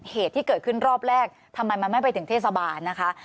เหตุที่เกิดขึ้นรอบแรกทำไมมันไม่ไปถึงเทศบาลนะคะ